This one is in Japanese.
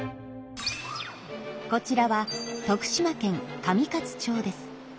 こちらは徳島県上勝町です。